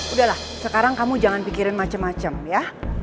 udahlah sekarang kamu jangan pikirin macem macem ya